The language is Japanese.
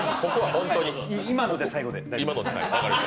今ので最後で大丈夫です。